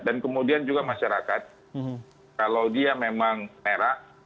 dan kemudian juga masyarakat kalau dia memang merah